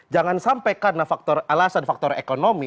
jangan sampai karena faktor alasan faktor ekonomi